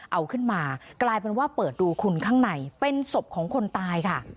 เอาขึ้นมากลายเป็นว่าเปิดดูคุณข้างในเป็นศพของคนตายค่ะ